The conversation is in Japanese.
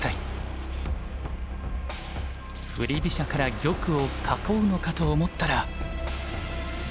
振り飛車から玉を囲うのかと思ったら。